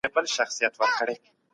که دولت هڅه وکړي پرمختګ راځي.